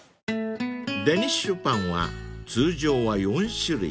［デニッシュパンは通常は４種類］